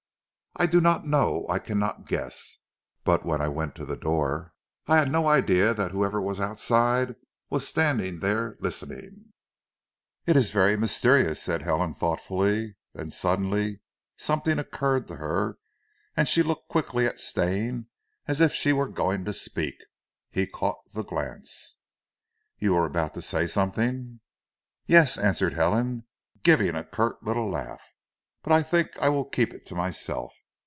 "I do not know. I cannot guess, but when I went to the door, I had no idea that whoever was outside was standing there listening." "It is very mysterious," said Helen thoughtfully, then suddenly something occurred to her, and she looked quickly at Stane as if she were going to speak. He caught the glance. "You were about to say something?" "Yes," answered Helen giving a curt little laugh. "But I think I will keep it to myself.